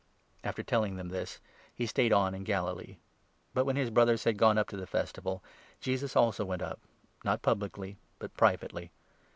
After telling them this, he stayed on in Galilee. 9 But, when his brothers had gone up to the Festival, Jesus 10 also went up — not publicly, but privately.